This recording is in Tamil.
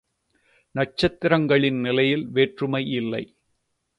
நட்சத்திரங்களின் நிலையில் வேற்றுமையில்லை.